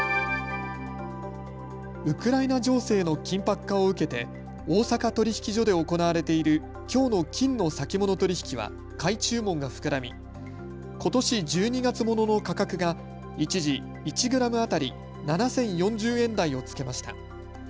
ウクライナ情勢の緊迫化を受けて大阪取引所で行われているきょうの金の先物取引は買い注文が膨らみことし１２月ものの価格が一時１グラム当たり７０４０円台をつけました。